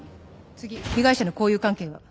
次被害者の交友関係は？